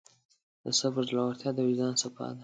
د صبر زړورتیا د وجدان صفا ده.